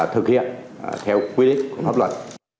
thực hiện theo quy định pháp luật